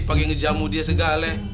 pake ngejamu dia segale